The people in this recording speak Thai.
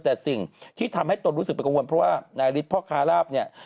แต่สิ่งที่ทำให้ตนรู้สึกเป็นกังวลเพราะว่านายฤทธิพ่อค้าราบเนี่ย